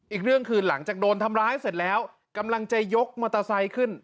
อีกเรื่องคือหลังจากโดนทำร้ายเสร็จแล้วกำลังจะยกมอเตอร์ไซค์ขึ้น